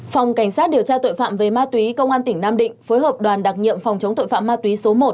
phòng cảnh sát điều tra tội phạm về ma túy công an tỉnh nam định phối hợp đoàn đặc nhiệm phòng chống tội phạm ma túy số một